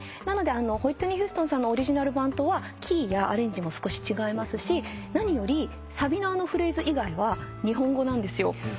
なのでホイットニー・ヒューストンさんのオリジナル版とはキーやアレンジも少し違いますし何よりサビのあのフレーズ以外は日本語なんですよ。